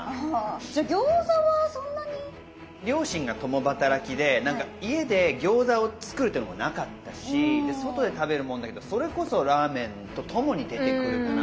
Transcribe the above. じゃあ餃子はそんなに？両親が共働きで何か家で餃子を作るっていうのもなかったしで外で食べるもんだけどそれこそラーメンと共に出てくるかな。